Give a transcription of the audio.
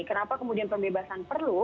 kenapa kemudian pembebasan perlu